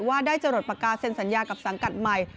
ว่าได้จรดปากกาเซ็นสัญญากับสังกัดใหม่